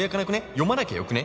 読まなきゃよくね？」